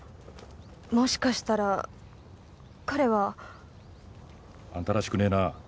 もしかしたら彼は。あんたらしくねえな。